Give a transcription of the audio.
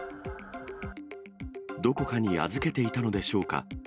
どこかに預けていたのでしょうか。